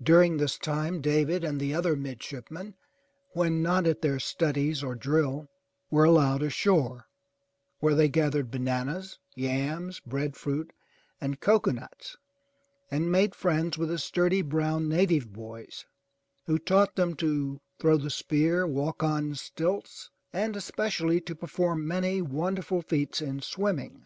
During this time, David and the other mid 359 MY BOOK HOUSE shipmen, when not at their studies or drill, were allowed ashore, where they gathered bananas, yams, bread fruit and cocoanuts, and made friends with the sturdy brown native boys, who taught them to throw the spear, walk on stilts and especially to per form many wonderful feats in swimming.